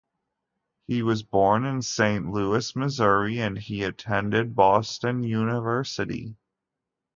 He was born in Saint Louis, Missouri and he attended Boston University.